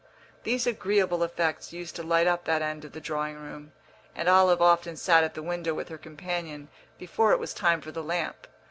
These agreeable effects used to light up that end of the drawing room, and Olive often sat at the window with her companion before it was time for the lamp.